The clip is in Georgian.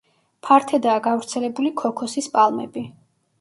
ფართედაა გავრცელებული ქოქოსის პალმები.